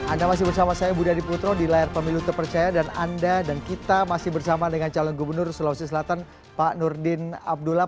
anda masih bersama saya budi adiputro di layar pemilu terpercaya dan anda dan kita masih bersama dengan calon gubernur sulawesi selatan pak nurdin abdullah